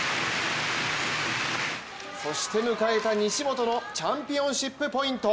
そして迎えた西本のチャンピオンシップポイント。